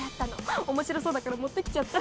面白そうだから持ってきちゃった。